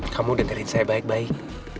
kamu dengerin saya baik baik